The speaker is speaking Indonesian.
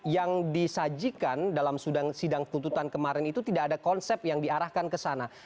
yang disajikan dalam sidang kututan kemarin itu tidak ada konsep yang diarahkan